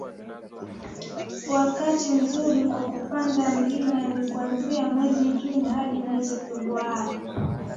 wakati mzuri kwa kupanda mlima ni kuanzia mwezi Juni hadi mwezi Februari